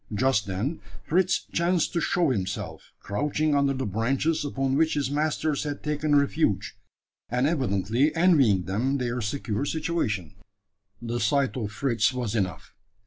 Just then Fritz chanced to show himself crouching under the branches upon which his masters had taken refuge, and evidently envying them their secure situation. The sight of Fritz was enough.